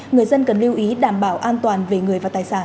người dân cần lưu ý đảm bảo an toàn về người và tài sản